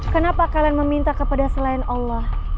kenapa kalian meminta kepada selain allah